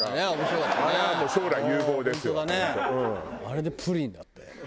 あれでプリンだって。